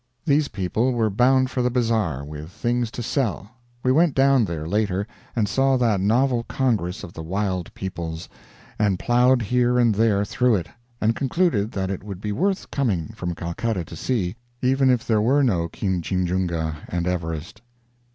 These people were bound for the bazar, with things to sell. We went down there, later, and saw that novel congress of the wild peoples, and plowed here and there through it, and concluded that it would be worth coming from Calcutta to see, even if there were no Kinchinjunga and Everest.